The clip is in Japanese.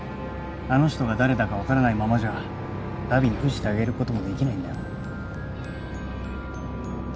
あの人が誰だか分からないままじゃ荼毘に付してあげることもできないんだよ。